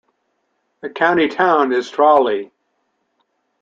The county town is Tralee.